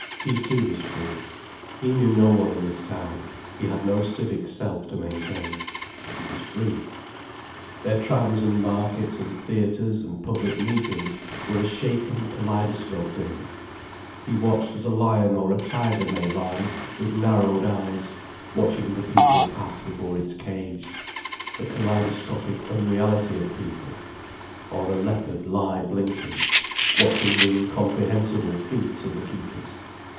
He too was free. He knew no one in this town, he had no civic self to maintain. He was free. Their trams and markets and theatres and public meetings were a shaken kaleidoscope to him, he watched as a lion or a tiger may lie with narrowed eyes watching the people pass before its cage, the kaleidoscopic unreality of people, or a leopard lie blinking, watching the incomprehensible feats of the keepers.